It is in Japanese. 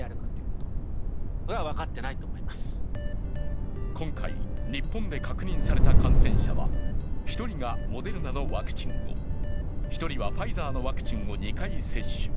寺嶋医師によると今回、日本で確認された感染者は１人がモデルナのワクチンを１人はファイザーのワクチンを２回接種。